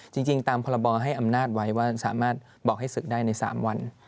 จริงตามพรบให้อำนาจไว้ว่าสามารถบอกให้ศึกได้ใน๓วัน